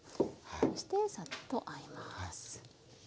そしてサッとあえます。